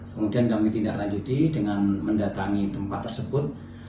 kemudian kami tindak lanjuti dengan mendatangi tempat tersebut